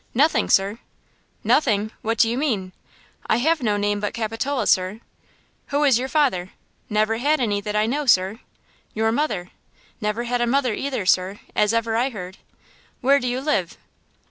"Nothing sir." "Nothing! What do you mean?" "I have no name but Capitola, sir." "Who is your father?" "Never had any that I know, sir." "Your mother?" "Never had a mother either, sir, as ever I heard." "Where do you live?"